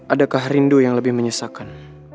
adakah rindu yang lebih menyesakan